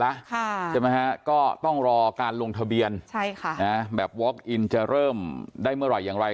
ใช่ไหมฮะก็ต้องรอการลงทะเบียนใช่ค่ะนะแบบวอคอินจะเริ่มได้เมื่อไหร่อย่างไร